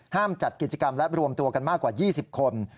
จัดกิจกรรมและรวมตัวกันมากกว่า๒๐คน